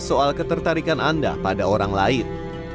soal ketertarikan anda pada orang lain